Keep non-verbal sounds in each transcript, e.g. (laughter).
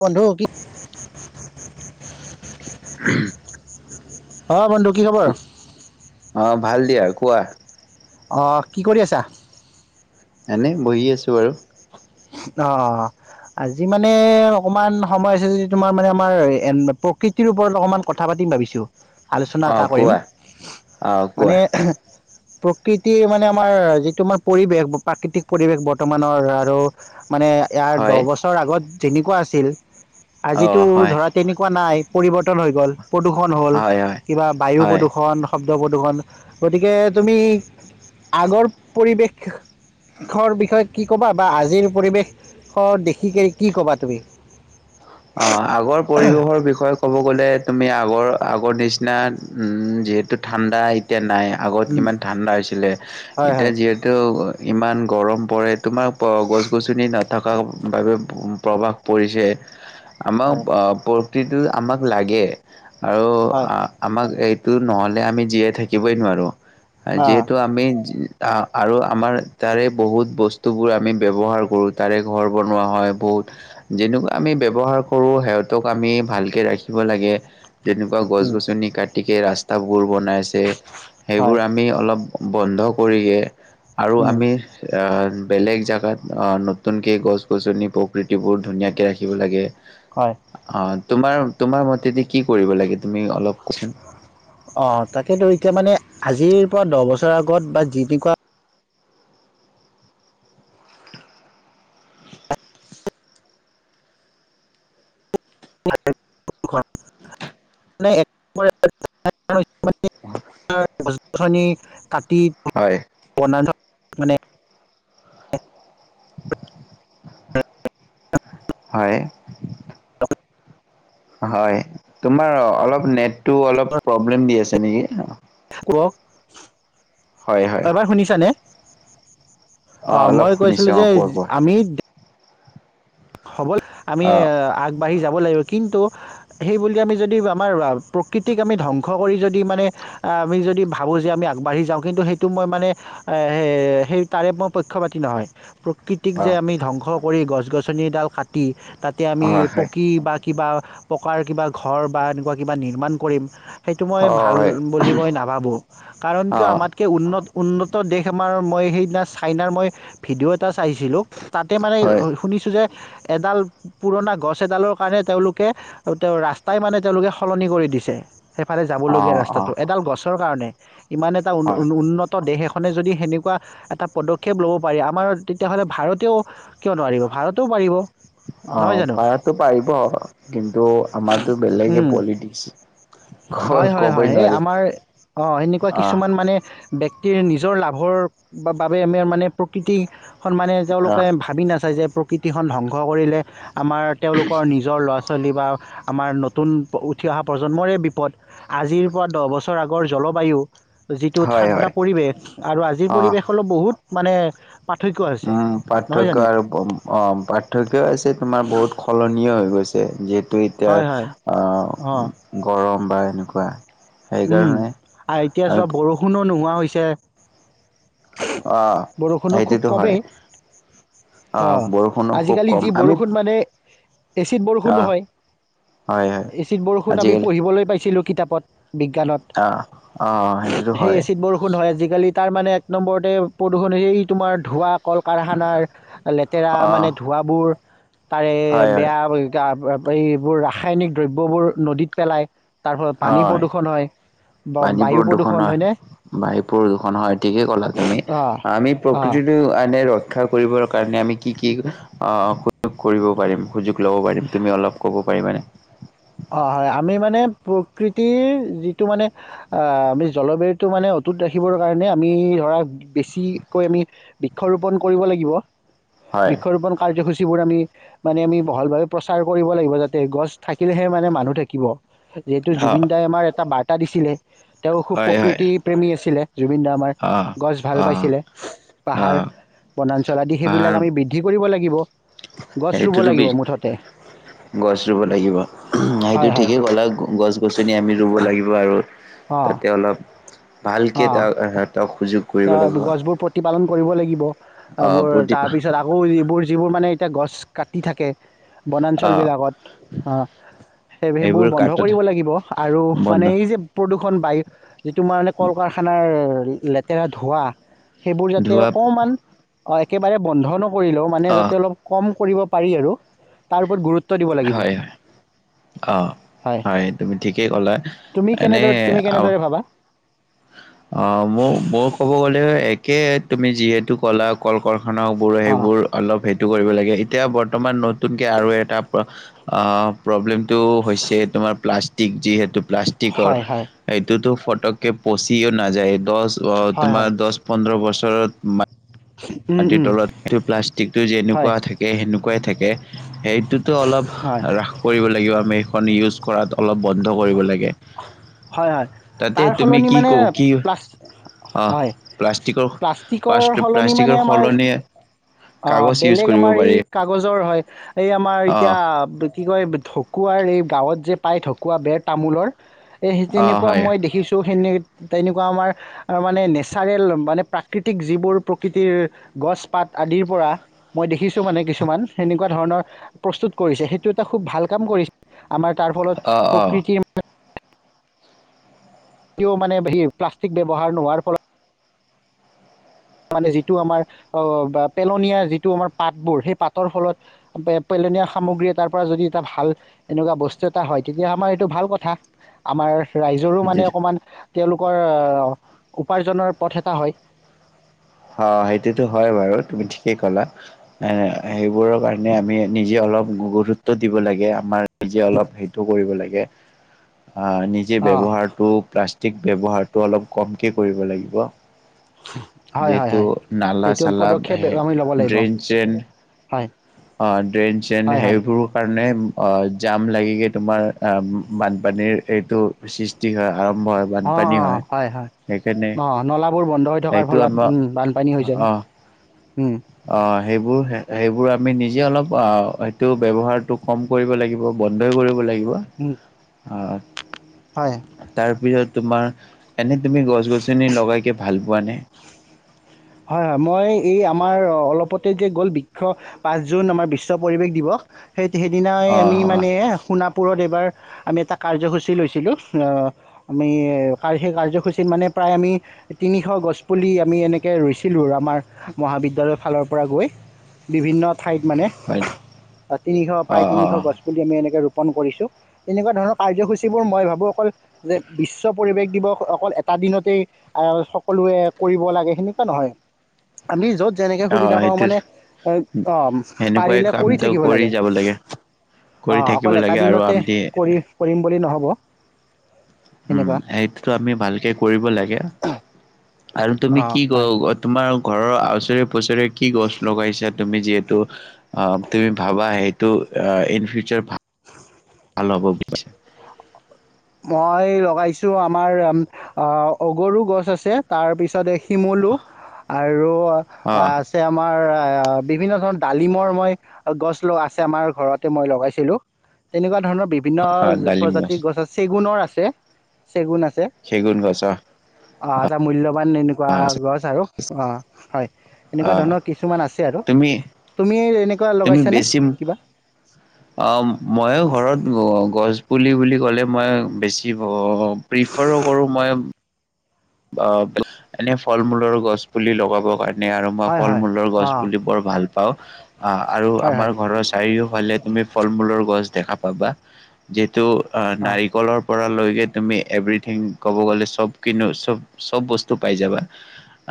বন্ধু কি অ বন্ধু কি খবৰ। আহ ভাল দিয়া কোৱা। অ কি কৰি আছা। এনে বহি আছো বাৰু। অ আজি মানে অকমান সময় আছে যদি তোমাৰ মানে আমাৰ এ প্ৰকৃতিৰ ওপৰত অকমান কথা পাতিম ভাবিছো। আলোচনা অ এটা কৰিম কোৱা অ মানে। কোৱা প্ৰকৃতিৰ মানে আমাৰ যিটো আমাৰ পৰিৱেশ প্ৰাকৃতিক পৰিৱেশ বৰ্তমানৰ আৰু মানে ইয়াৰ দহ হয় বছৰ আগত। তেনেকুৱা আছিল। অ আজিতো হয় ধৰা তেনেকুৱা নাই। পৰিৱৰ্তন হৈ গ'ল। প্ৰদূষণ হ'ল হয় হয় কিবা বায়ু হয় প্ৰদূষণ, শব্দ‌ প্ৰদূৰষণ গতিকে তুমি আগৰ পৰিৱেশৰ বিষয়ে কি ক'বা বা আজিৰ। পৰিৱেশ দেখিক কি ক'বা তুমি। অ আগৰ পৰিবেশৰ বিষয়ে ক'ব গ'লে, তুমি আগৰ আগৰ নিচিনা উম যিহেতু ঠাণ্ডা এতিয়া নাই আগত উম, কিমান ঠাণ্ডা হৈছিলে হয়, এতিয়া হয়, যিহেতু ইমান গৰম পৰে। তোমাক গছ গছনি না থকা বাবে প্ৰভাৱ পৰিছে। আমাৰ হয়, অ পৰা যিটো আমাক লাগে। আৰু হয়, আমাক এই স নহ'লে আমি জীয়াই থাকিবই নোৱাৰোঁ। অ', যিহেতু আমি আৰু আমাৰ তাৰে বহুত বস্তুবোৰ আমি ব্যৱহাৰ কৰোঁ তাৰে ঘৰ বনোৱা হয় বহুত যেনেকুৱা আমি ব্যৱহা ব্যৱহাৰ কৰো সিহঁতক আমি ভালকে ৰাখিব লাগে। যেনেকুৱা গছ উম, গছনি কাটি কাটিকে ৰাস্তাবোৰ বনাইছে হয়, সেইবোৰ আমি অলপ বন্ধ কৰিয়ে আৰু উম, আমি আহ বেলেগ জেগাত নতুনকৈ গছ গছনি প্ৰকৃতিবোৰ ধুনীয়াকৈ ৰাখিব লাগে। হয়। অ তোমাৰ তোমাৰ মতেদি কি কৰিব লাগে? তুমি অলপ কচোন। অ', তাকেতো এতিয়া মানে আজিৰ পৰা দহ বছৰ আগত বা যি যি কি কুৱা (inaudible) (inaudible) খনি কাট হয় (unintelligible) বনাঞ্চল মানে হয় হয় তোমাৰ অলপ নেট তো অলপ ৰূপালীম দি আছে নেকি? কওক হয় হয় এবাৰ শুনিছা নে? অ অঁ অলপ মই কৈছিলো শুনিছো অ যে কোৱা আমি হব আমি কোৱা আগবাঢ়ি যাব লাগিব। কিন্তু সেই বুলি আমি যদি আমাৰ প্ৰকৃতিক আমি ধ্বংস কৰি যদি মানে আমি যদি ভাবোঁ যে আমি আগবাঢ়ি যাওঁ কিন্তু সেইটো মই মানে সেই তাৰে মই পক্ষপাতি নহয়। প্ৰাকৃতিক অ যে আমি ধ্বংস কৰি গছ গছ গছ গছনি দাল কাটি তাতে অ আমি হয় হয় পকি বা কিবা পকাৰ কিবা ঘৰ বা এনেকুৱা কিবা নিৰ্মাণ কৰিম। সেইটো মই অ ভাল হয় বুলি মই নাভাবোঁ কাৰণ অ কিয় আমাতকৈ উন্নত উন্নত দেশ আমাৰ মই সেইদিনা চাইনাৰ মই ভিডিঅ' এটা চাইছিলোঁ। তাতে মানে হয় যে এডাল পুৰণা গছ এডালৰ কাৰণে তেওঁলোকে তেওঁ ৰাস্তাই মানে তেওঁলোকে সলনি কৰি দিছে। সেইফালে অ যাবলগীয়া অ ৰাস্তাটো এডাল গছ কাৰণে ইমান এটা উ হয় উন্নত দেশ। খনে যদি সেনেকুৱা এটা পদক্ষেপ ল'ব পাৰি আমাৰ তেতিয়াহ'লে ভাৰতেও কিয় নোৱাৰিব। ভাৰতেও পাৰিব। নহয় অঁ পাৰাতো পাৰিব কিন্তু আমাৰতো বেলেগে জানো পলিটিক্স। ক হয় হয় ক'বই হয় হে নোৱাৰি আমাৰ অঁ এনেকুৱা অ কিছুমান মানে। ব্যক্তিৰ নিজৰ লাভৰ বাবে মানে প্ৰকৃতিৰ। মানে অ তেওঁলোকে ভাবি নাচায় যে, প্ৰকৃতিখন ধ্বংস কৰিলে। আমাৰ তেওঁলোকৰ নিজৰ ল'ৰা ছোৱালী। বা আমাৰ নতুন উঠি অহা প্ৰজন্মৰে বি। বিপদ আজিৰ পৰা দহ বছৰ আগৰ জলবায়ু। যিটো হয় ঠাণ্ডা হয় পৰিৱেশ আৰু আজিৰ অ পৰিৱেশ হল বহুত। মানে। পাৰ্থক্য আছে উম নহয় জানো পাৰ্থক্য আৰু অ পাৰ্থক্যও আছে। তোমাৰ বহুত সলনিয় । হৈ গৈছে যে। এতিয়া হয় হয় অ গৰম । বা এনেকুৱা। উম সেইকাৰণে আৰু এতিয়া আমি চব বৰষুণো নোহোৱা হৈছে। এ। অ বৰষুণো খুব সেইটোতো হয় কমেই আহ বৰষুণো খুব আজিকালি কম যি আমি বৰষুণ মানে এচিড বৰষুণ আহ নহয় হয় হয় এচিড বৰষুণ আমি আজিকালি পঢ়িবলৈ পাইছিলোঁ। কিতাপত। বিজ্ঞানত আহ অ সেইটোতো সেই হয় এচিড বৰষুণ হয় আজিকালিত। তাৰ মানে এক নম্বৰতে প্ৰদূষণ হৈ এই তোমাৰ ধোঁৱা । কল কাৰখানাৰ লেতেৰা অ মানে ধোঁৱাবোৰ। তাৰে হয় হয় বেয়া হৈ। এইবোৰ ৰাসায়নিক দ্ৰব্যবোৰ নদীত পেলাই। তাৰ ফলত পানী প্ৰদূষণ। হয়, বা বায়ু পানীবোৰ দুখন প্ৰদূষণ হয়নে? হয় মাটিবোৰ দুখন হয় ঠিকেই ক'লা তুমি অ', আমি অ'। প্ৰকৃতিটো। ৰক্ষা কৰিবৰ কাৰণে আমি কি কি অ সুযোগ কৰিব পাৰিম সুযোগ লব পাৰিম তুমি অলপ কব পাৰিবা নে? অ হয় আমি মানে প্ৰকৃতিৰ যিটো মানে আমি জলবায়ুটো মানে অটুট ৰাখিবৰ কাৰণে আমি ধৰা বেছিকৈ আমি বৃক্ষৰোপণ কৰিব লাগিব। হয় বৃক্ষৰোপণ কাৰ্যসূচী। বোৰ আমি মানে আমি বহল ভাৱে প্ৰচাৰ কৰিব লাগিব যাতে গছ থাকে। থাকিলেহে মানে মানুহ থাকিব যিহেতু অ জুবিন দাই আমাৰ এটা ব এটা দিছিলে তেওঁ খুব হয় হয় প্ৰকৃতি প্ৰেমী আছিলে। জুবিনদাৰ আমাৰ অ গছ ভাল অ পাইছিলে অ পাহাৰ বনাঞ্চল আদি সেইবিলাক আমি বৃদ্ধি কৰিব লাগিব। থাকিব। এইটো ৰুবি গছ ৰুব লাগিব। সেইটো হয় হয় ঠিকেই ক'ল। গছ গছনি আমি ৰুব লাগিব আৰু অঁ তাতে অলপ । ভালকে অঁ তা এহতক সুযোগ কৰিব লাগিব। গছবোৰ প্ৰতিপালন কৰিব লাগিব। অ আহ বোৰ তাৰ প্ৰতিভা পিছত আকৌ এইবোৰ যিবোৰ মানে এইয়া গছ কাটি থাকে আহ বনাঞ্চলবিলাকত অ সেই সেইবোৰ বন্ধ কৰিব লাগিব আৰু বন্ধ মানে এই যে প্ৰদূষণ বায়ু যিটো মানে কল কাৰখানাৰ লেতেৰা ধোৱা সেইবোৰ যাতে ধোৱা অকমান অ একেবাৰে বন্ধ ন কৰিলেও মানে যাতে অ', অলপ কম কৰিব পাৰি আৰু তাৰ ওপৰত গুৰুত্ব দিব লাগিব হয় হয়, অ, হয়, তুমি ঠিকেই ক'লা তুমি এনেই কেনেদৰে তুমি কেনেদৰে ভাবা অ মোৰ মোৰ ক'ব গলেও একে তুমি যিহেতু ক'লা কল কাৰখানা খানাবোৰে অঁ সেইবোৰ অলপ কৰিব লাগে এতিয়া বৰ্তমান নতুনকে আৰু এটা প্ৰব্লেম টো হৈছে তোমাৰ প্লাষ্টিক । প্লাষ্টিক যিহেতু প্লাষ্টিকৰ হয় হয় সেইটোতো ফট'ককে পচিও নাযায় দহ অ হয় হয় তোমাৰ দহ পোন্ধৰ বছৰত মানে মাটিৰ তলত প্লাষ্টিকটো হয় যেনেকুৱা থাকে সেনেকুৱাই থাকে। সেই। টোতো অলপ হয় হ্ৰাস কৰিব লাগিব আমি। ইউজ কৰাত অলপ বন্ধ কৰিব লাগে? হয় হয় তাতে তাৰ তুমি সলনি কি মানে ক কি অ হয় প্লাষ্টিকৰ সলনি মানে। আমাৰ সলনি কাগজ ইউজ কৰিব পাৰি? জ্বৰ হয়। এই আমাৰ অ এতিয়া কি কয় ঢকুৱাৰ এই। গাঁৱত যে পাই ঢকুৱা বেৰ তামোলৰ। এইেই অ তেনেকুৱা হয় মই দেখিছোঁ সেনে। তেনেকুৱা আমাৰ মানে নেচাৰেল মানে প্ৰাকৃতিক যিবোৰ প্ৰকৃতিৰ গছ পাত আদিৰ পৰা মই দেখিছো? মানে কিছুমান সনেকুৱা ধৰণৰ। প্ৰস্তুত কৰিছে সেইটো এটা খুব ভাল কাম কৰিছে? আমাৰ তাৰ ফলত অ অ প্ৰকৃতিৰ। কও মানে সি প্লাষ্টিক ব্যৱহাৰ নোহোৱাৰ ফলত। মানে যিটো আমাৰ বা পেলনীয়া যিটো আমাৰ পাতবোৰ সেই পাতৰ ফলত পেলনীয়া সামগ্ৰী এটাৰ পৰা যদি এটা ভাল এনেকুৱা বস্তু এটা হয় তেতিয়া আমাৰ এইটো ভাল কথা আমাৰ। ৰাইজৰো মানে সেইটো অকমান। তেওঁলোকৰ উপাৰ্জনৰ পথ এটা হয়। অ সেইটোতো হয় বাৰু তুমি ঠিকেই কলা সেইবোৰৰ কাৰণে আমি নিজে অলপ গুৰুত্ব দিব লাগে আমাৰ নিজে অলপ সেইটো কৰিব লাগে? অ নিজে অ' ব্যৱহাৰতটো প্লাষ্টিক। প্লাষ্টিক ব্যৱহাৰটো অলপ কম কে কৰিব লাগিব? উম। যিহেতু নালা চালা আমি ল'ব লাগিব ড্ৰেইন চেইন হয় অ ড্ৰেইন চেন হয় হয় সেইবোৰ কাৰণে। অ জাম লাগিগে তোমাৰ অ বানপানীৰ এইটো সৃষ্টি হয়। আৰম্ভ হয় অ বানপানী অ হয় হয় সেইকাৰণে অ নলাবোৰ বন্ধ হৈ থকাৰ। সেইটো ফলত আমাৰ বানপানী হৈ যায়। অ উম অ সেইবোৰ সেইবোৰ। আমি নিজে অলপ সটো ব্যৱহাৰটো কম কৰিব লাগিব বন্ধই কৰিব লাগিব? হ অ তাৰপিছত? তোমাৰ এনে তুমি গছ গছনি লগাইকে ভাল পোৱা নে। হয় হয় মই এই আমাৰ অলপতে যে গ'ল বিশ পাঁচ জুন আমাৰ বিশ্ব পৰিৱেশ দিৱস। সেই সেইদিনাই অ আমি অ মানে সোণাপুৰৰ। তাত এটা আমি কাৰ্য্যসূচী লৈছিলো অ আমি সেই কাৰ্য্যসূচীত মানে প্ৰায় আমি তিনিশটা গছ পুলি আমি এনেকে ৰুইছিলোঁ আমাৰ মহাবিদ্যালয়ৰ ফালৰ পৰা গৈ বিভিন্ন ঠাইত মানে হয় অ তিনিশ অ প্ৰায় অ তিনিশ গছ পুলি আমি এনেকে ৰুপন কৰিছোঁ তেনেকুৱা ধৰণৰ কাৰ্যসূচীবোৰ মই ভাবোঁ অকল যে বিশ্ব পৰিৱেশ দিৱস অকল এটা দিনতেই সকলোৱে কৰিব লাগে হয় নহয় আমি য'ত যেনেকৈ অ সুবিধা পাওঁ সেইটো মানে অঁ সেনেকুৱাই পাৰিলে কৰি কামটো থাকিব লাগে যাব অঁ কৰি থাকিব অকল এটা লাগে আৰু দিনতে আমি কৰি কৰিম বুলি নহ'ব উম সেনেকুৱা সেইটোতো আমি ভালকে কৰিব লাগে আৰু তুমি অঁ কি ক হয় তোমাৰ ঘৰৰ আওচৰে পছৰে কি গছ লগাইছা তুমি যিহেতু অ তুমি ভাবা সেইটো ইন ফিউচাৰ ভাব উ (unintelligible) ভাল হ'ব বুজ (unintelligible) মই লগাইছোঁ আমাৰ অগৰু গছ আছে তাৰপিছত শিমলু আৰু অ আছে আমাৰ বিভিন্ন ধৰণৰ ডালিমৰ মই গছ আছে আমাৰ ঘৰতে মই লগাইছিলো তেনেকুৱা ধৰণৰ বিভিন্ন অ ডালিম প্ৰজাতিৰ গছ আছে চেগুণ আছে চেগুণ আছে চেগুন গছ অ আ ত মূল্যক এনেকুৱা গছ আৰু অ হয় অ এনেকুৱা ধৰণৰ কিছুমান আছে আৰু তুমি তুমি তুমি লগাইছ নে বেছি কিবা? অ মইও ঘৰত গছ পুলি বুলি ক'লে মই বেছি প্ৰিফাৰো কৰোঁ মই বা এনে ফল মূলৰ গছ পুলি লগাব কাৰণে এনে আৰু মই হয় ফল হয় মূলৰ গছ অ বুলি বৰ ভাল পাওঁ‌। অ অ আৰু হয় হয় আমাৰ ঘৰৰ চাৰিওফালে তুমি ফল মূলৰ গছ দেখা পাবা যে টো অ নাৰিকলৰ তুমি এভৰিথিং কব গলে চব খিনি চব চব বস্তু পাই যাবা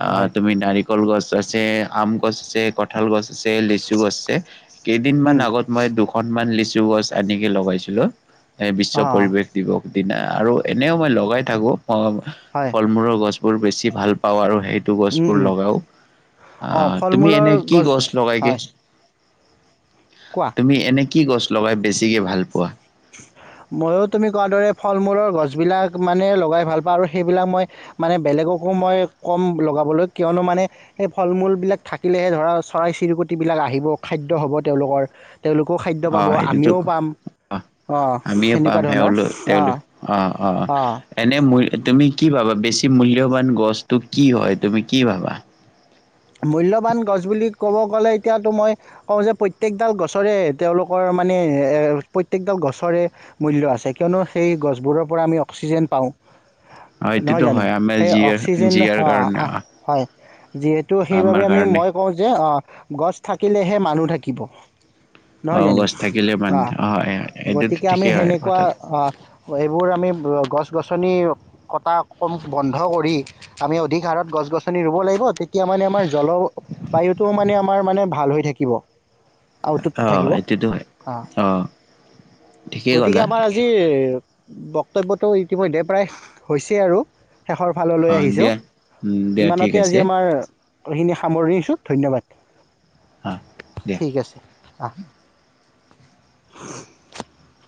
অ হয় তুমি নাৰী কল গছ আছে আম গছ আছে কঁঠাল গছ লিচু আছে কেইদিন মান উম আগত মই দুখন মান লিচু ডুৱাৰ্ছ আনিকে লগাইছিলো। এ বিশ্ব অ পৰিৱেশ দিৱস সেইদিনা আৰু এনেও মই লগাই থাকো মই আহ হয় ফল-মূলৰ গছ বৰ বেছি ভাল পাওঁ আৰু হে এইটো গছ উম বোৰ উম লগাও অ আহ ফল তুমি মূলৰ এনে কি গছ লগাইগে। হয় কোৱা তুমি এনেক কি গছ লগাই বেছিকে ভাল পোৱা। মইো তুমি কোৱাৰ দৰে ফল-মূলৰ গছবিলাক মানে লগাই ভাল পাওঁ আৰু সেইবিলাক মই মানে বেলেগকো মই কম লগাবলৈ কিয়নো মানে সেই ফল-মূল বিলাক থাকিলেহে ধৰা চৰাই চিৰিকটি বিলাক আহিব খাদ্য হ'ব তেওঁলোকৰ তেওঁলোকেও খাদ্য অ পাব, সেইটোতো আমিও পাম। অ অঁ আমিয়ে সেনেকুৱা পাম ধৰণৰ সেওঁলোক অঁ তেওঁলোক অ অ অঁ এনে মূ তুমি কি কি ভাবা, বেছি মূল্যবান গছটো কি হয়, তুমি কি ভাবা? মূল্যবান গছ বুলি ক'ব গ'লে এতিয়াতো মই কওঁ যে প্ৰত্যেকডাল গছৰে তেওঁলোকৰ মানে প্ৰত্যেকডাল গছৰে মূল্য আছে কিয়নো সেই গছবোৰৰ পৰা আমি অক্সিজেন পাওঁ। অ নহয় এইটোতো জানো? হয় আমাৰ সেই জীয়াৰ অক্সিজেন জীয়াৰ হাৱাহ কাৰণে আহ, অ হয়। যিহেত ত' সেইবাবে আমাৰ আমি কাৰণে মই কওঁ যে তো অ অ গছ থাকিলেহে মানুহ থাকিব। অ নহয় জানো? গছ থাকিলে মান আ হয় হয় এইটোতো গতিকে আমি ঠিকেই হয় সেনেকুৱা, কথাটো আ এইবোৰ আমি গছ-গছ গছ-গছনি কটা কম বন্ধ কৰি আমি অধিক হাৰত গছ-গছনি ৰুব লাগিব, ঠিক তেতিয়া মানে আমাৰ জলৰ বায়ুটোও মানে আমাৰ মানে ভাল হৈ থাকে। থাকিব। আউটোত অ থাকিব। এইটোতো হয় হ, অ ঠিকেই গতিকে ক'লা আমাৰ আজিৰ বক্তব্যটো ইতিমধ্যে প্ৰায় উমহু হৈছে আৰু। শেষৰ অ ফাললৈ আহিছোঁ, দিয়া উম দিয়া ঠিক ইমানতে আজি আছে আমাৰ এইখিনি সামৰিছো, ধন্যবাদ। অ দিয়া ঠিক আছে। আহ, উমস শিট